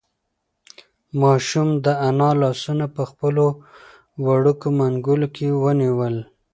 ماشوم د انا لاسونه په خپلو وړوکو منگولو کې ونیول.